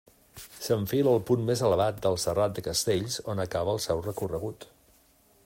S'enfila al punt més elevat, el Serrat de Castells, on acaba el seu recorregut.